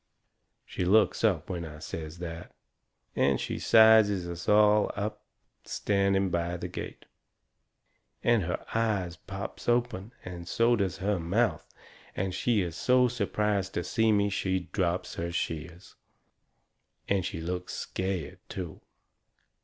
She looks up when I says that, and she sizes us all up standing by the gate, and her eyes pops open, and so does her mouth, and she is so surprised to see me she drops her shears. And she looks scared, too.